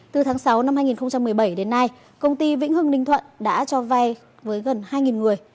từ tháng sáu năm hai nghìn một mươi bảy đến nay công ty vĩnh hưng ninh thuận đã cho vay với gần hai người